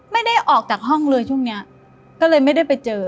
ไม่ได้ออกจากห้องเลยช่วงเนี้ยก็เลยไม่ได้ไปเจอ